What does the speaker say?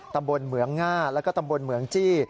เมืองเหมืองง่าแล้วก็ตำบลเหมืองจี้